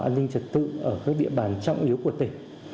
an ninh trật tự ở các địa bàn trọng yếu của tỉnh